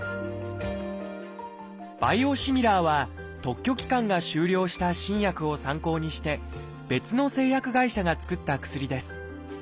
「バイオシミラー」は特許期間が終了した新薬を参考にして別の製薬会社が作った薬です。